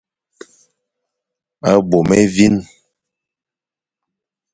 Bôm évîn.